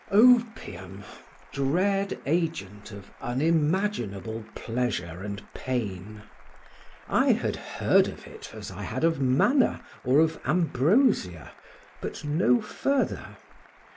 Opium! dread agent of unimaginable pleasure and pain! I had heard of it as I had of manna or of ambrosia, but no further.